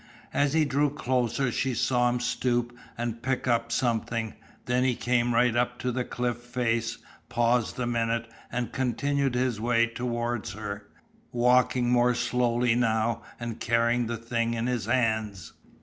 As he drew closer she saw him stoop and pick up something, then he came right up to the cliff face, paused a minute and continued his way towards her, walking more slowly now and carrying the thing in his hands.